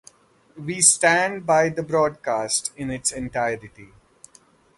We stand by the broadcast in its entirety.